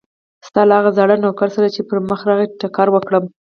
ستا له هغه زاړه نوکر سره چې پر مخه راغی ټکر وکړم.